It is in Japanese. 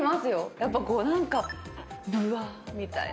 やっぱこう何かぶわみたいな。